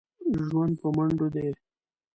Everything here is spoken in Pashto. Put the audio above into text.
ژوند په منډو دی.